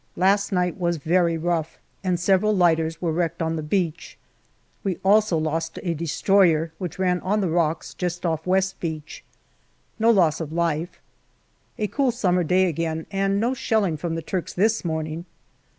.LAST night was very rough, and several lighters were wrecked on the beach. We also lost a destroyer, which ran on the rocks just off West Beach. No loss of life. A cool summer day again, and no shelling from the Turks this morning.